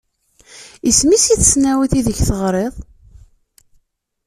Isem-is i tesnawit ideg teɣriḍ?